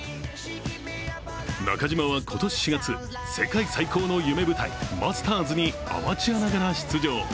中島は今年４月、世界最高の夢舞台、マスターズにアマチュアながら出場。